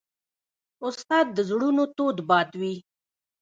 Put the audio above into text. استاد د زړونو تود باد وي.